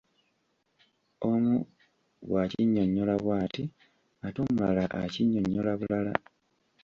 Omu bw’akinnyonnyola bw’ati ate omulala akinnyonnyola bulala.